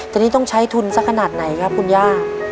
ตอนนี้ต้องใช้ทุนสักขนาดไหนครับคุณย่า